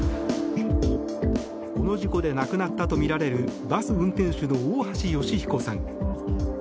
この事故で亡くなったとみられるバス運転手の大橋義彦さん。